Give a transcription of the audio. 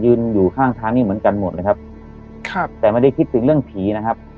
อยู่ข้างทางนี้เหมือนกันหมดเลยครับครับแต่ไม่ได้คิดถึงเรื่องผีนะครับ